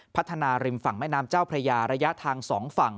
พัฒนาริมฝั่งแม่น้ำเจ้าพระยาระยะทาง๒ฝั่ง